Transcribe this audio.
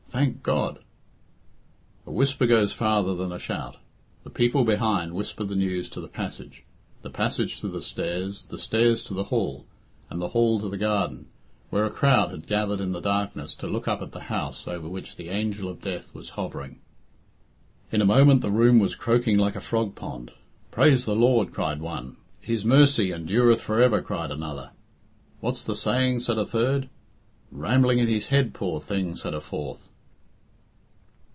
Thank God! A whisper goes farther than a shout. The people behind whispered the news to the passage, the passage to the stairs, the stairs to the hall, and the hall to the garden, where a crowd had gathered in the darkness to look up at the house over which the angel of death was hovering. In a moment the room was croaking like a frog pond. "Praise the Lord!" cried one. "His mercy endureth for ever," cried another. "What's he saying?" said a third. "Rambling in his head, poor thing," said a fourth.